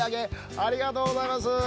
ありがとうございます。